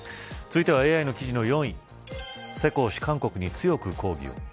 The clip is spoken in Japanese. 続いてはＡＩの記事４位世耕氏、韓国に強く抗議。